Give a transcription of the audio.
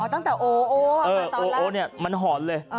ตั้งแต่โอมันหอนเลย